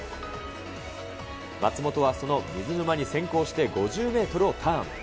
松元はその水沼に先行して５０メートルをターン。